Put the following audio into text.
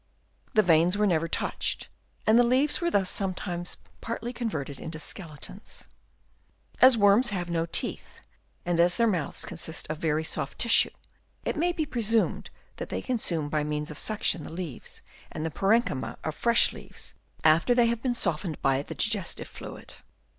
The veins were never touched, and leaves were thus some times partly converted into skeletons. As worms have no teeth and as their mouths consist of very soft tissue, it may be pre sumed that they consume by means of suction the edges and the parenchyma of fresh leaves, after they have been softened by the 60 HABITS OF WOKMS. Chap. II. digestive fluid.